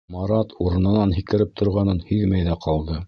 Марат урынынан һикереп торғанын һиҙмәй ҙә ҡалды.